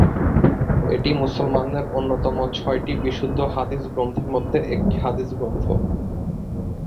এটি মুসলমানদের অন্যতম ছয়টি বিশুদ্ধ হাদিস গ্রন্থের মধ্যে একটি হাদিস গ্রন্থ।